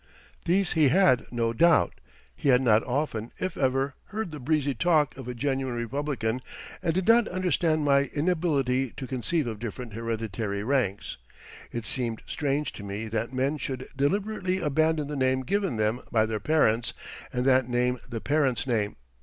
These he had, no doubt. He had not often, if ever, heard the breezy talk of a genuine republican and did not understand my inability to conceive of different hereditary ranks. It seemed strange to me that men should deliberately abandon the name given them by their parents, and that name the parents' name.